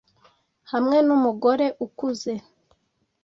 'hamwe numugore ukuze